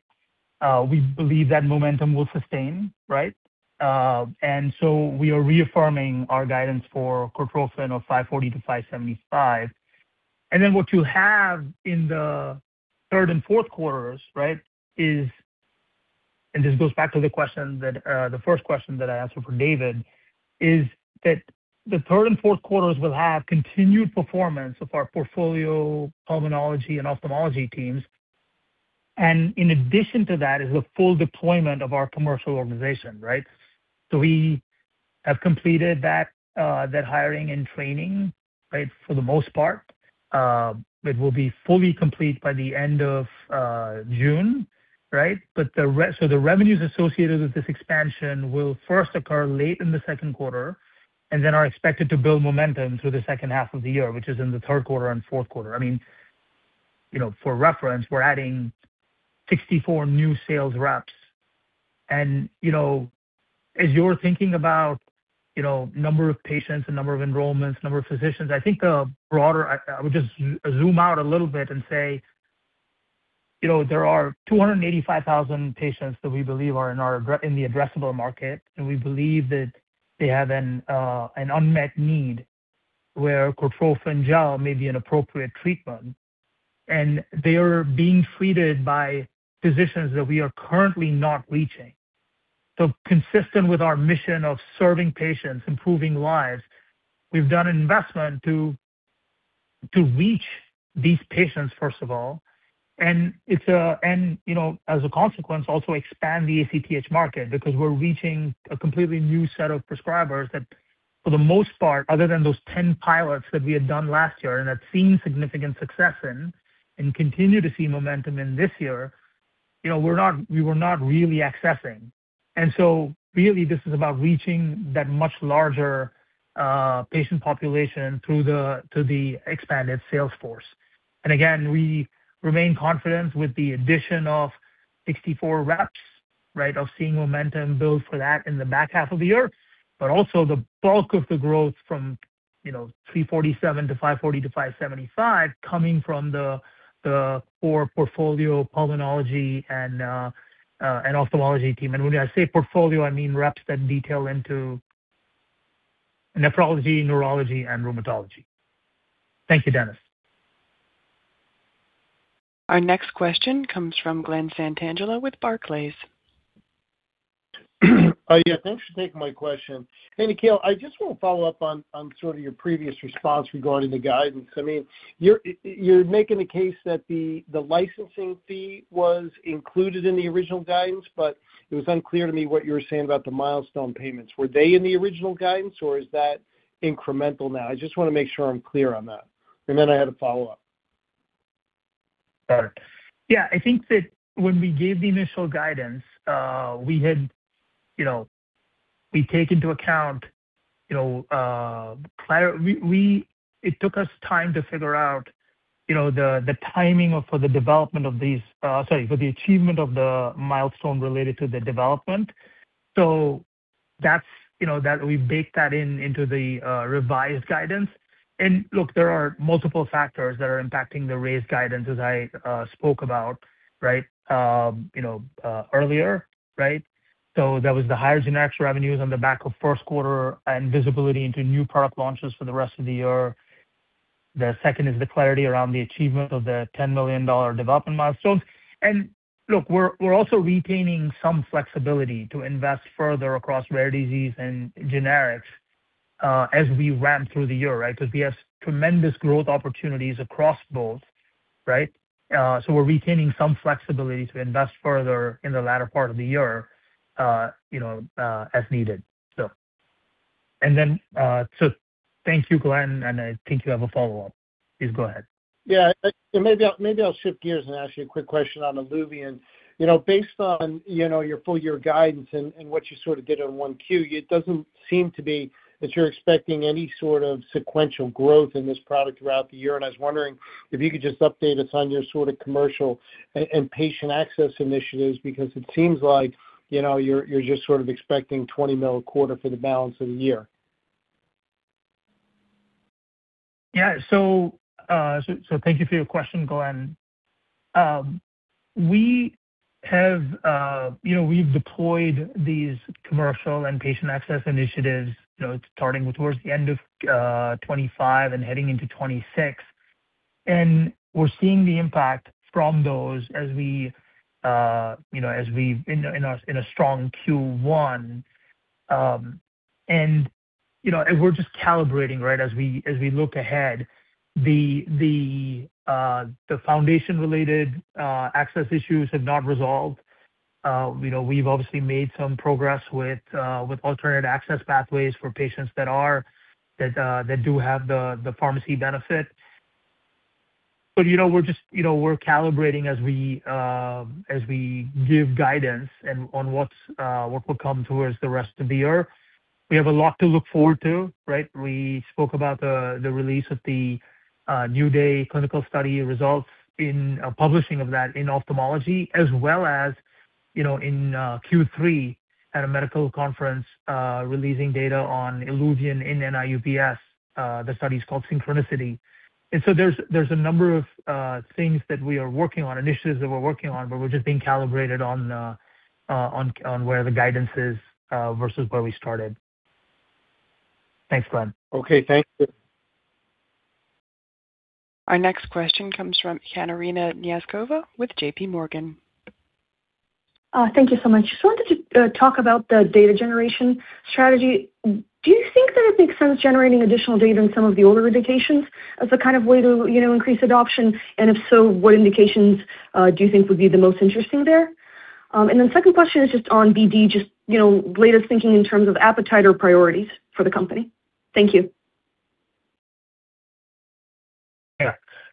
Speaker 3: We believe that momentum will sustain, right? We are reaffirming our guidance for Cortrophin of $540 million-$575 million. What you have in the third and fourth quarters is, this goes back to the question that the first question that I asked for David, is that the third and fourth quarters will have continued performance of our portfolio, pulmonology and ophthalmology teams. In addition to that is the full deployment of our commercial organization. We have completed that hiring and training for the most part. It will be fully complete by the end of June. The revenues associated with this expansion will first occur late in the second quarter, and then are expected to build momentum through the second half of the year, which is in the third quarter and fourth quarter. I mean, you know, for reference, we're adding 64 new sales reps. You know, as you're thinking about, you know, number of patients, the number of enrollments, number of physicians, I think I would just zoom out a little bit and say, you know, there are 285,000 patients that we believe are in the addressable market, and we believe that they have an unmet need where Cortrophin Gel may be an appropriate treatment. They are being treated by physicians that we are currently not reaching. Consistent with our mission of serving patients, improving lives, we've done an investment to reach these patients, first of all. It's, you know, as a consequence, also expand the ACTH market because we're reaching a completely new set of prescribers that for the most part, other than those 10 pilots that we had done last year and had seen significant success in and continue to see momentum in this year, you know, we were not really accessing. Really this is about reaching that much larger patient population through the, through the expanded sales force. Again, we remain confident with the addition of 64 reps, right, of seeing momentum build for that in the back half of the year, but also the bulk of the growth from, you know, $347 million to $540 million to $575 million coming from the core portfolio, pulmonology and ophthalmology team. When I say portfolio, I mean, reps that detail into nephrology, neurology and rheumatology. Thank you, Dennis.
Speaker 1: Our next question comes from Glen Santangelo with Barclays.
Speaker 9: Yeah, thanks for taking my question. Hey, Nikhil, I just want to follow up on sort of your previous response regarding the guidance. I mean, you're making the case that the licensing fee was included in the original guidance, but it was unclear to me what you were saying about the milestone payments. Were they in the original guidance, or is that incremental now? I just want to make sure I'm clear on that. Then I had a follow-up.
Speaker 3: Sure. Yeah, I think that when we gave the initial guidance, we had, you know, we take into account, you know, It took us time to figure out, you know, the timing of for the development of these, sorry, for the achievement of the milestone related to the development. That's, you know, that we baked that in into the revised guidance. Look, there are multiple factors that are impacting the raised guidance as I spoke about, right, you know, earlier, right? That was the higher Generics revenues on the back of first quarter and visibility into new product launches for the rest of the year. The second is the clarity around the achievement of the $10 million development milestones. We're also retaining some flexibility to invest further across Rare Disease and Generics as we ramp through the year, right? We have tremendous growth opportunities across both, right? We're retaining some flexibility to invest further in the latter part of the year as needed. Thank you, Glen, and I think you have a follow-up. Please go ahead.
Speaker 9: Yeah. Maybe I'll shift gears and ask you a quick question on ILUVIEN. You know, based on, you know, your full year guidance and what you sort of did in 1Q, it doesn't seem to be that you're expecting any sort of sequential growth in this product throughout the year. I was wondering if you could just update us on your sort of commercial and patient access initiatives, because it seems like, you know, you're just sort of expecting $20 mil a quarter for the balance of the year.
Speaker 3: Thank you for your question, Glen. We have, you know, we've deployed these commercial and patient access initiatives, you know, starting with towards the end of, 2025 and heading into 2026. We're seeing the impact from those as we, you know, in a strong Q1. You know, we're just calibrating, right, as we, as we look ahead. The foundation related access issues have not resolved. You know, we've obviously made some progress with alternate access pathways for patients that are, that do have the pharmacy benefit. You know, we're just, you know, we're calibrating as we give guidance and on what's what will come towards the rest of the year. We have a lot to look forward to, right? We spoke about the release of the NEW DAY clinical study results in publishing of that in ophthalmology as well as, you know, in Q3 at a medical conference, releasing data on ILUVIEN in NIU-PS. The study's called SYNCHRONICITY. There's a number of things that we are working on, initiatives that we're working on, but we're just being calibrated on where the guidance is versus where we started. Thanks, Glen.
Speaker 9: Okay, thank you.
Speaker 1: Our next question comes from Ekaterina Knyazkova with JPMorgan.
Speaker 10: Thank you so much. Just wanted to talk about the data generation strategy. Do you think that it makes sense generating additional data in some of the older indications as a kind of way to, you know, increase adoption? If so, what indications do you think would be the most interesting there? Second question is just on BD, just, you know, latest thinking in terms of appetite or priorities for the company. Thank you.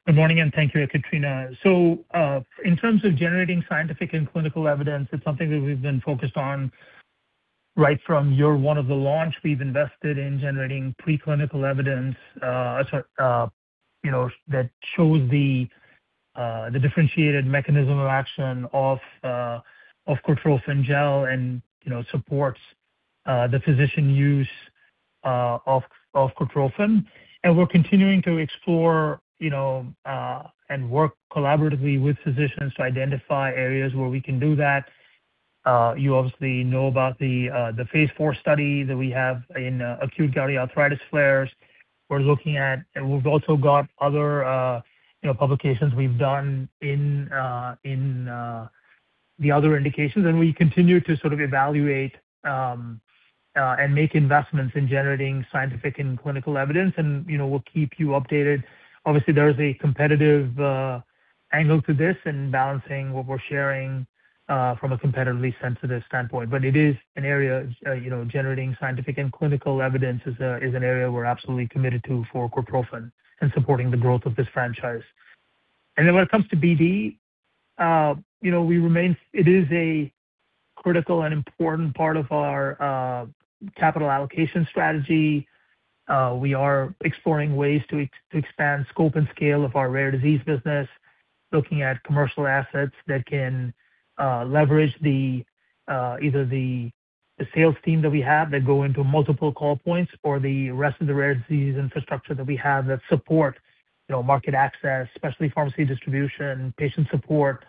Speaker 3: Good morning, thank you, Ekaterina. In terms of generating scientific and clinical evidence, it's something that we've been focused on right from year one of the launch. We've invested in generating preclinical evidence, you know, that shows the differentiated mechanism of action of Cortrophin Gel and, you know, supports the physician use of Cortrophin. We're continuing to explore, you know, and work collaboratively with physicians to identify areas where we can do that. You obviously know about the phase IV study that we have in acute gouty arthritis flares. We've also got other, you know, publications we've done in the other indications. We continue to sort of evaluate and make investments in generating scientific and clinical evidence. You know, we'll keep you updated. Obviously, there is a competitive angle to this and balancing what we're sharing from a competitively sensitive standpoint. It is an area, you know, generating scientific and clinical evidence is an area we're absolutely committed to for Cortrophin and supporting the growth of this franchise. When it comes to BD, you know, it is a critical and important part of our capital allocation strategy. We are exploring ways to expand scope and scale of our Rare Disease business, looking at commercial assets that can leverage the either the sales team that we have that go into multiple call points or the rest of the Rare Disease infrastructure that we have that support, you know, market access, especially pharmacy distribution, patient support,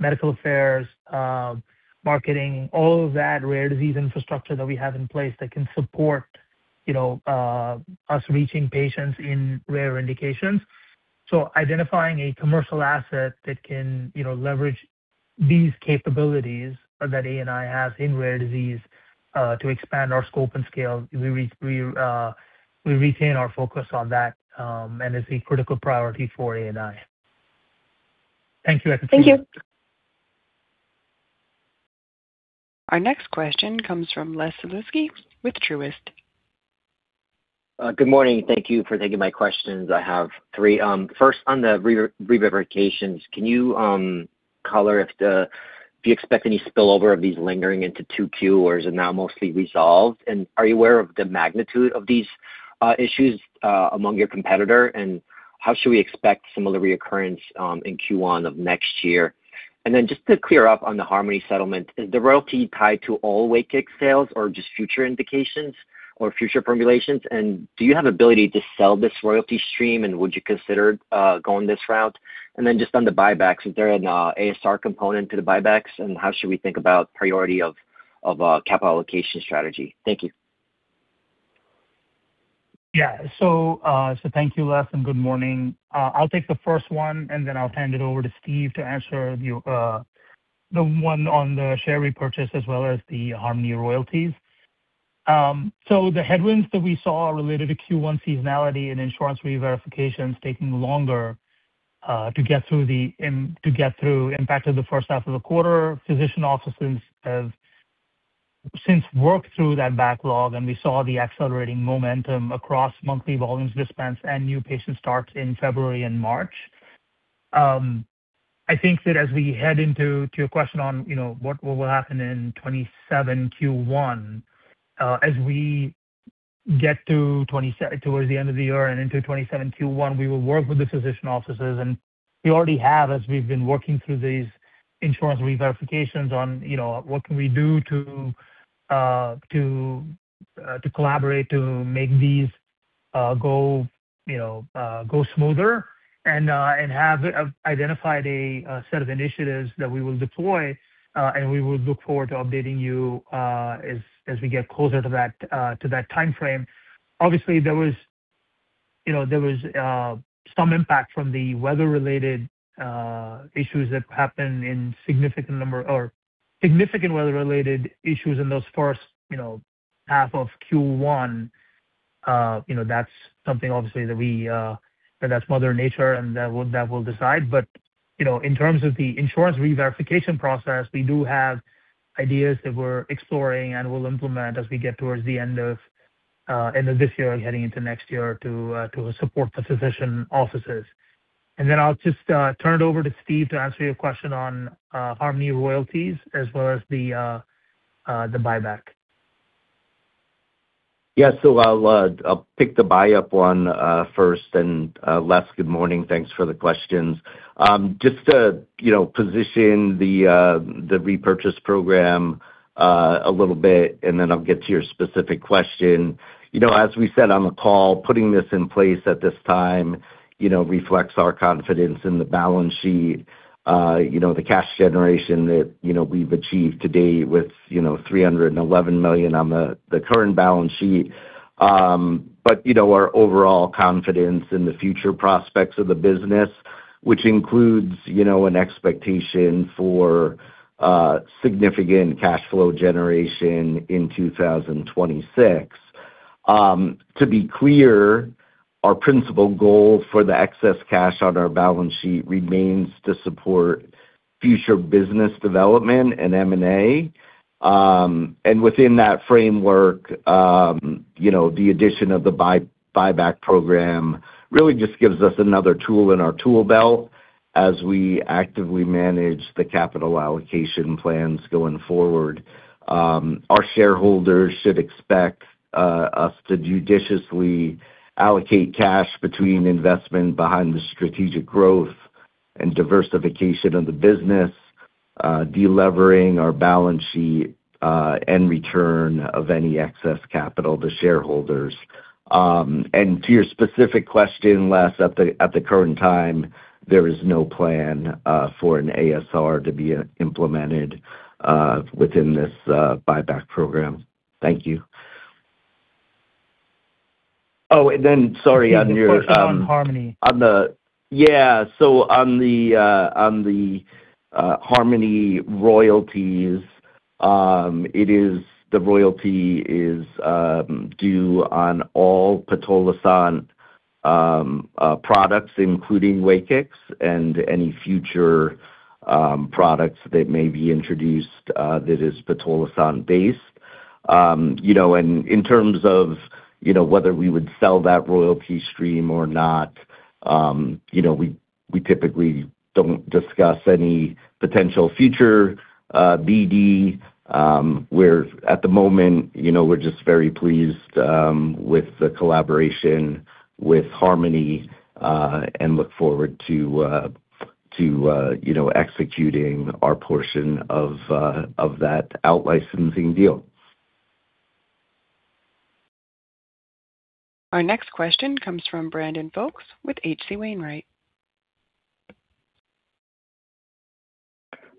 Speaker 3: medical affairs, marketing, all of that Rare Disease infrastructure that we have in place that can support, you know, us reaching patients in rare indications. Identifying a commercial asset that can, you know, leverage these capabilities that ANI has in Rare Disease, to expand our scope and scale, we retain our focus on that, and is a critical priority for ANI. Thank you.
Speaker 10: Thank you.
Speaker 1: Our next question comes from Les Sulewski with Truist.
Speaker 11: Good morning. Thank you for taking my questions. I have three. First, on the reverifications, can you color if do you expect any spillover of these lingering into 2Q, or is it now mostly resolved? Are you aware of the magnitude of these issues among your competitor? How should we expect similar reoccurrence in Q1 of next year? Just to clear up on the Harmony settlement, is the royalty tied to all WAKIX sales or just future indications or future formulations? Do you have ability to sell this royalty stream, and would you consider going this route? Just on the buybacks, is there an ASR component to the buybacks, and how should we think about priority of capital allocation strategy? Thank you.
Speaker 3: Yeah. Thank you, Les, and good morning. I'll take the first one, and then I'll hand it over to Steve to answer your, the one on the share repurchase as well as the Harmony royalties. The headwinds that we saw related to Q1 seasonality and insurance reverifications taking longer to get through impacted the first half of the quarter. Physician offices have since worked through that backlog, and we saw the accelerating momentum across monthly volumes dispensed and new patient starts in February and March. I think that as we head into to your question on, you know, what will happen in 2027 Q1, as we get towards the end of the year and into 2027 Q1, we will work with the physician offices, and we already have as we've been working through these insurance reverifications on, you know, what can we do to collaborate to make these go, you know, go smoother. have identified a set of initiatives that we will deploy, and we will look forward to updating you as we get closer to that timeframe. Obviously, you know, there was some impact from the weather-related issues that happened in significant number or significant weather-related issues in those first, you know, half of Q1. You know, that's something obviously that we, that's mother nature and that will, that will decide. You know, in terms of the insurance reverification process, we do have ideas that we're exploring and we'll implement as we get towards the end of, end of this year and heading into next year to support the physician offices. I'll just turn it over to Steve to answer your question on Harmony Biosciences royalties as well as the buyback.
Speaker 5: I'll pick the buyback one first. Les, good morning. Thanks for the questions. Just to, you know, position the repurchase program a little bit, I'll get to your specific question. You know, as we said on the call, putting this in place at this time, you know, reflects our confidence in the balance sheet, you know, the cash generation that, you know, we've achieved to date with, you know, $311 million on the current balance sheet. You know, our overall confidence in the future prospects of the business, which includes, you know, an expectation for significant cash flow generation in 2026. To be clear, our principal goal for the excess cash on our balance sheet remains to support future business development and M&A. Within that framework, you know, the addition of the buyback program really just gives us another tool in our tool belt as we actively manage the capital allocation plans going forward. Our shareholders should expect us to judiciously allocate cash between investment behind the strategic growth and diversification of the business, de-levering our balance sheet, and return of any excess capital to shareholders. To your specific question, Les, at the current time, there is no plan for an ASR to be implemented within this buyback program. Thank you.
Speaker 3: On Harmony.
Speaker 5: On the Harmony royalties, it is, the royalty is due on all pitolisant products, including WAKIX and any future products that may be introduced, that is pitolisant-based. You know, in terms of, you know, whether we would sell that royalty stream or not, you know, we typically don't discuss any potential future BD. At the moment, you know, we're just very pleased with the collaboration with Harmony and look forward to executing our portion of that out-licensing deal.
Speaker 1: Our next question comes from Brandon Folkes with H.C. Wainwright.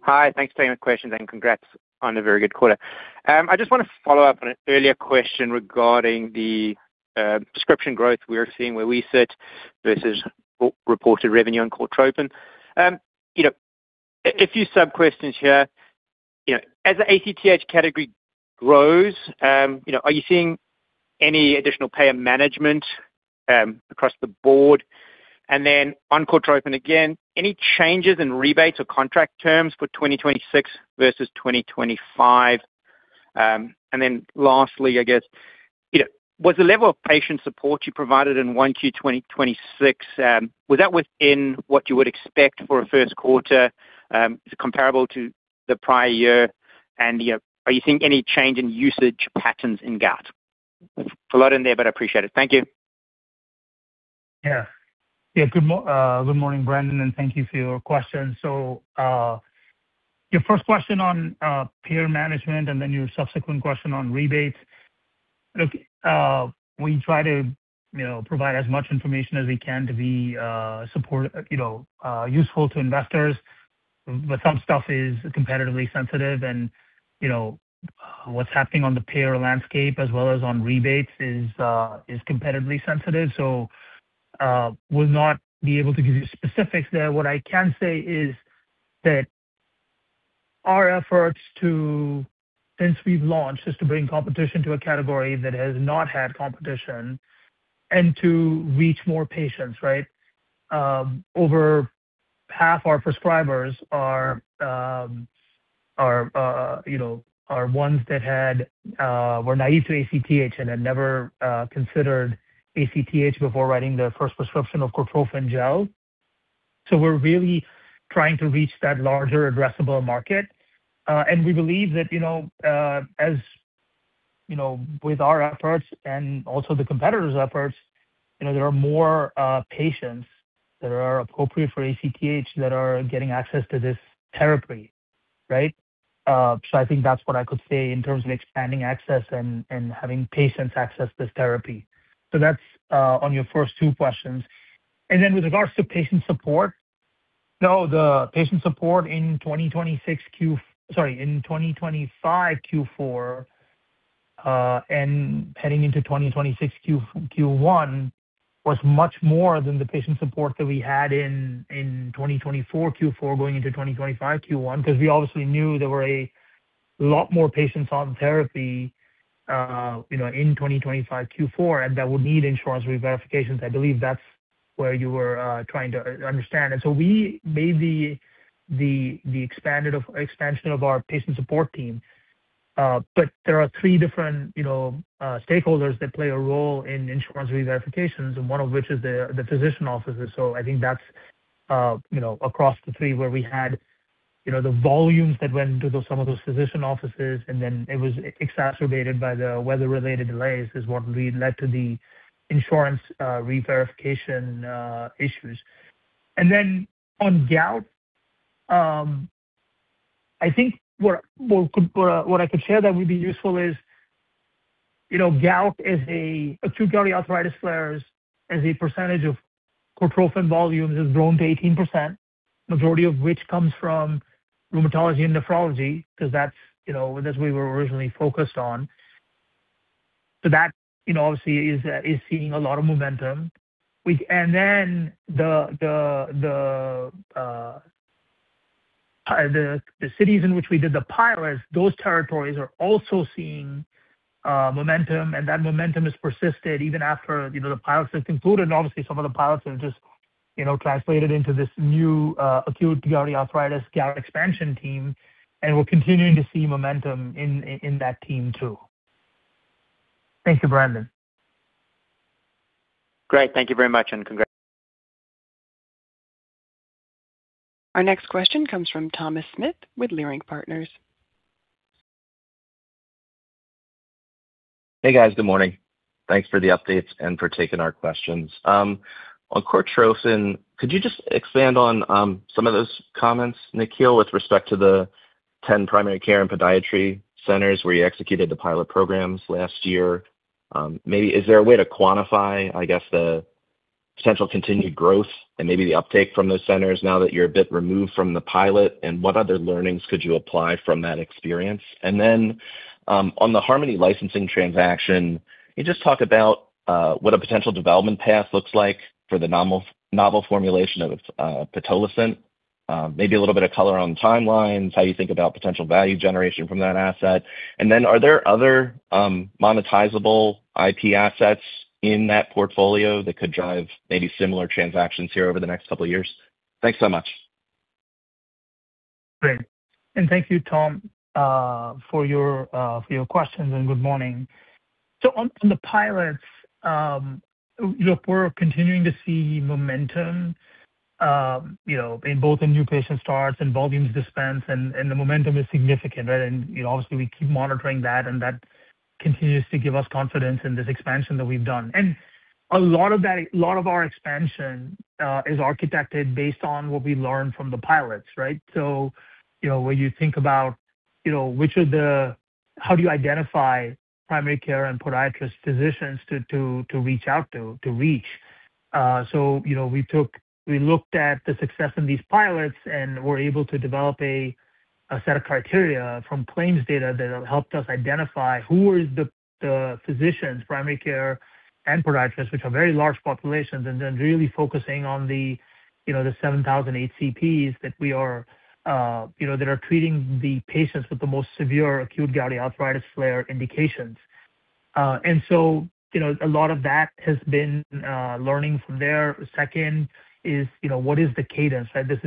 Speaker 12: Hi. Thanks for taking the questions and congrats on a very good quarter. I just want to follow up on an earlier question regarding the prescription growth we are seeing where we sit versus reported revenue on Cortrophin. You know, a few sub-questions here. You know, as the ACTH category grows, you know, are you seeing any additional payer management across the board? On Cortrophin again, any changes in rebates or contract terms for 2026 versus 2025? Lastly, I guess, you know, was the level of patient support you provided in 1Q 2026, was that within what you would expect for a first quarter? Is it comparable to the prior year? You know, are you seeing any change in usage patterns in gout? A lot in there, but I appreciate it. Thank you.
Speaker 3: Yeah. Yeah. Good morning, Brandon, and thank you for your questions. Your first question on peer management and then your subsequent question on rebates. Look, we try to, you know, provide as much information as we can to be, you know, useful to investors, but some stuff is competitively sensitive and, you know, what's happening on the payer landscape as well as on rebates is competitively sensitive. Would not be able to give you specifics there. What I can say is that our efforts to, since we've launched, is to bring competition to a category that has not had competition and to reach more patients, right? Over half our prescribers are, you know, are ones that had, were naive to ACTH and had never considered ACTH before writing their first prescription of Cortrophin Gel. We're really trying to reach that larger addressable market. We believe that, you know, as, you know, with our efforts and also the competitors' efforts, you know, there are more patients that are appropriate for ACTH that are getting access to this therapy, right? I think that's what I could say in terms of expanding access and having patients access this therapy. That's on your first two questions. With regards to patient support. No, the patient support in 2026 Q, sorry, in 2025 Q4, and heading into 2026 Q1 was much more than the patient support that we had in 2024 Q4 going into 2025 Q1, 'cause we obviously knew there were a lot more patients on therapy, you know, in 2025 Q4 and that would need insurance reverifications. I believe that's where you were trying to understand. We made the expansion of our patient support team. There are three different, you know, stakeholders that play a role in insurance reverifications, and one of which is the physician offices. I think that's, you know, across the three where we had, you know, the volumes that went into those, some of those physician offices, and then it was exacerbated by the weather-related delays is what led to the insurance reverification issues. On gout, I think what I could share that would be useful is, you know, gout is a acute gouty arthritis flares as a percentage of Cortrophin volumes has grown to 18%, majority of which comes from rheumatology and nephrology, 'cause that's, you know, that's what we were originally focused on. That, you know, obviously is seeing a lot of momentum. The cities in which we did the pilots, those territories are also seeing momentum, and that momentum has persisted even after, you know, the pilot has concluded. Obviously, some of the pilots have just, you know, translated into this new acute gouty arthritis gout expansion team, and we're continuing to see momentum in that team too. Thank you, Brandon.
Speaker 12: Great. Thank you very much, and congrat-
Speaker 1: Our next question comes from Thomas Smith with Leerink Partners.
Speaker 13: Hey, guys. Good morning. Thanks for the updates and for taking our questions. On Cortrophin, could you just expand on some of those comments, Nikhil, with respect to the 10 primary care and podiatry centers where you executed the pilot programs last year? Maybe is there a way to quantify, I guess, the potential continued growth and maybe the uptake from those centers now that you're a bit removed from the pilot, what other learnings could you apply from that experience? On the Harmony licensing transaction, can you just talk about what a potential development path looks like for the novel formulation of pitolisant? Maybe a little bit of color on the timelines, how you think about potential value generation from that asset. Are there other, monetizable IP assets in that portfolio that could drive maybe similar transactions here over the next two years? Thanks so much.
Speaker 3: Great. Thank you, Tom, for your questions. Good morning. On the pilots, look, we're continuing to see momentum, you know, in both the new patient starts and volumes dispensed and the momentum is significant, right? You know, obviously we keep monitoring that and that continues to give us confidence in this expansion that we've done. A lot of our expansion is architected based on what we learned from the pilots, right? You know, when you think about, you know, how do you identify primary care and podiatrist physicians to reach out to? You know, we looked at the success of these pilots and were able to develop a set of criteria from claims data that have helped us identify who is the physicians, primary care and podiatrists, which are very large populations, and then really focusing on the, you know, the 7,000 HCPs that we are, you know, that are treating the patients with the most severe acute gouty arthritis flare indications. You know, a lot of that has been learning from there. Second is, you know, what is the cadence, right? This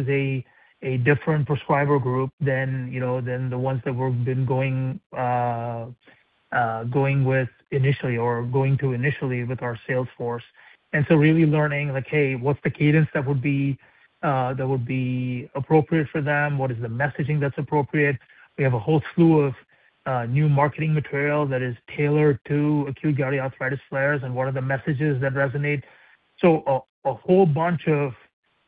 Speaker 3: is a different prescriber group than, you know, than the ones that we've been going with initially or going to initially with our sales force. Really learning like, hey, what's the cadence that would be appropriate for them? What is the messaging that's appropriate? We have a whole slew of new marketing material that is tailored to acute gouty arthritis flares and what are the messages that resonate. A whole bunch of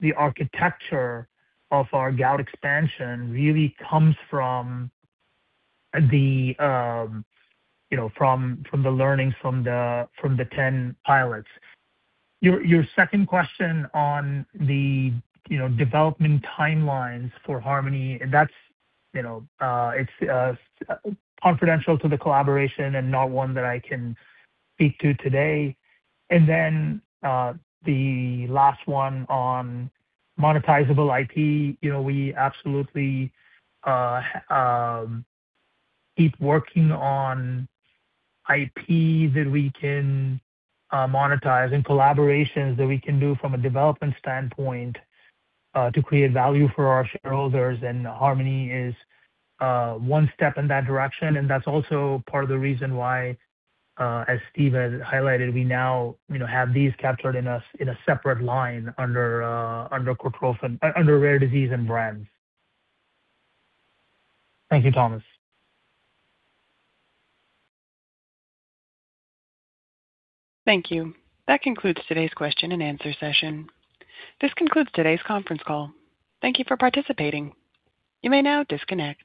Speaker 3: the architecture of our gout expansion really comes from the, you know, from the learnings from the 10 pilots. Your second question on the, you know, development timelines for Harmony, that's, you know, it's confidential to the collaboration and not one that I can speak to today. The last one on monetizable IP, you know, we absolutely keep working on IP that we can monetize and collaborations that we can do from a development standpoint to create value for our shareholders. Harmony is one step in that direction. That's also part of the reason why, as Steve has highlighted, we now, you know, have these captured in a separate line under Cortrophin, under Rare Disease and Brands. Thank you, Thomas.
Speaker 1: Thank you. That concludes today's question and answer session. This concludes today's conference call. Thank you for participating. You may now disconnect.